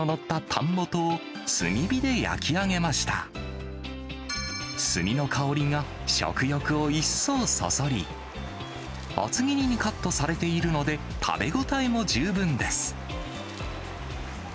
炭の香りが食欲を一層そそり、厚切りにカットされているので食べ応えも十分です。